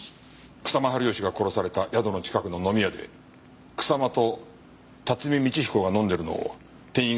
草間治義が殺された宿の近くの飲み屋で草間と辰巳通彦が飲んでいるのを店員が目撃していた。